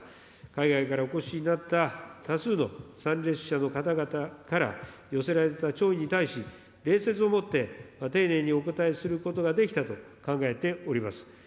海外からお越しになった多数の参列者の方々から寄せられた弔意に対し、礼節をもって丁寧にお応えすることができたと考えております。